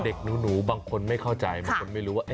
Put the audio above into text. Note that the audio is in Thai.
เด็กหนูบางคนไม่เข้าใจบางคนไม่รู้ว่า